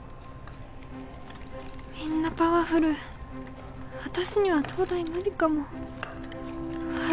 みんなパワフル私には東大ムリかもああ